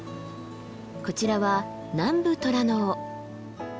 こちらはナンブトラノオ。